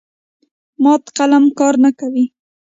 مات قلم کار نه کوي.